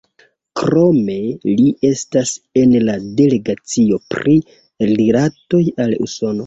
Krome li estas en la delegacio pri rilatoj al Usono.